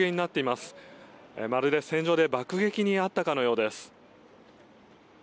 まるで、戦場で爆撃に遭ったかのようです。